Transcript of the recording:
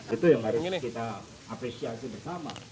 itu yang harus kita apresiasi bersama